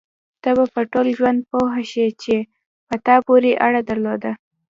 ته به په ټول ژوند پوه شې چې په تا پورې اړه درلوده.